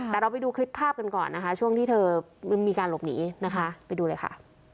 แต่เราไปดูคลิปภาพกันก่อนนะคะช่วงที่เธอมีการหลบหนีนะคะไปดูเลยค่ะ